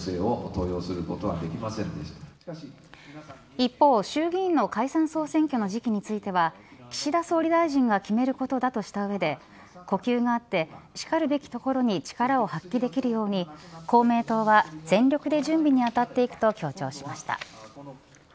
一方、衆議院の解散総選挙の時期については岸田総理大臣が決めることだとした上で呼吸が合ってしかるべきところに力を発揮できるように公明党は全力で準備に当たっていくと強調しました。